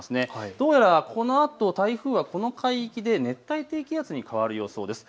どうやらこのあと台風はこの海域で熱帯低気圧に変わる予想です。